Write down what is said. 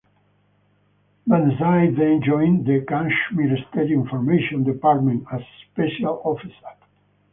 Bamzai then joined the Kashmir State Information Department as Special Officer.